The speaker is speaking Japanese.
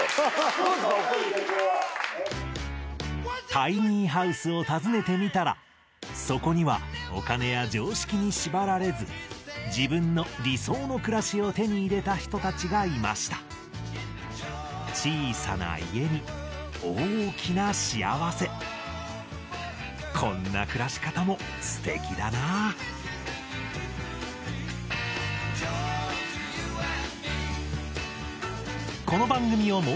タイニーハウスを訪ねてみたらそこにはお金や常識に縛られず自分の理想の暮らしを手に入れた人たちがいました小さな家に大きな幸せこんな暮らし方もステキだなぁ確定申告めんどくさいな。